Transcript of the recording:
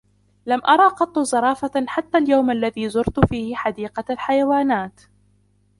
لم أرى قط زرافة حتى اليوم الذي زرت فيه حديقة الحيوانات.